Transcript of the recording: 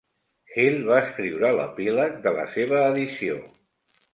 Hill va escriure l'epíleg de la seva edició.